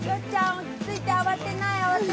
落ち着いて慌てない慌てない。